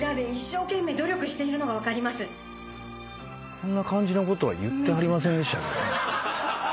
こんな感じなことは言ってはりませんでしたよ。